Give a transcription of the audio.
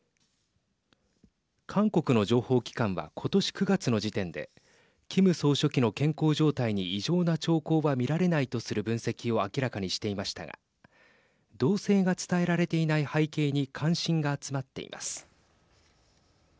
韓国の情報機関は今年９月の時点でキム総書記の健康状態に異常な兆候は見られないとする分析を明らかにしていましたが動静が伝えられていない背景に関心が集まっています。